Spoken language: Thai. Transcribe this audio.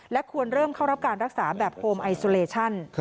และควรเริ่มเข้ารับการรักษาแบบโฮมไอซูเลชั่น